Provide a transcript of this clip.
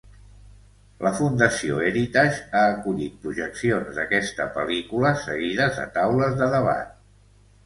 La Fundació Heritage ha acollit projeccions d'aquesta pel·lícula, seguides de taules de debat.